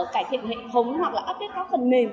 cải thiện hệ thống hoặc là update các phần mềm